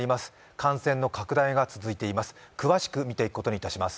感染の拡大が続いています。